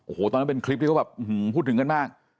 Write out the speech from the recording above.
โอ้โหตอนนั้นเป็นคลิปที่เขาแบบพูดถึงกันมาก